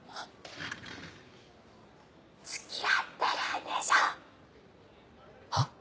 付き合ってるんでしょ？はっ？